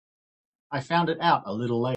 I found it out a little late.